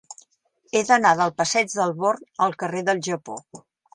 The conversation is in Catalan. He d'anar del passeig del Born al carrer del Japó.